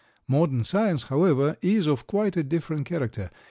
Modern science, however, is of quite a different character.